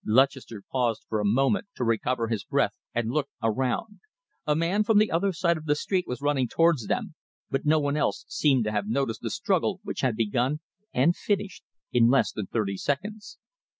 Lutchester paused for a moment to recover his breath and looked around. A man from the other side of the street was running towards them, but no one else seemed to have noticed the struggle which had begun and finished in less than thirty seconds.